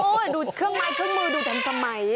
โอ้โหดูเครื่องมือดูกันสมัย